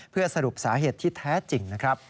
เพื่อสรุปสาเหตุที่แท้จริงนะครับ